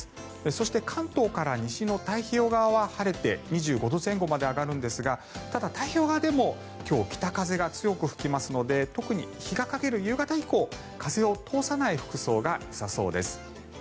そして、関東から西の太平洋側は晴れて２５度前後まで上がるんですがただ、太平洋側でも今日、北風が強く吹きますので特に日が陰る夕方以降風を通さない服装がよさそうです。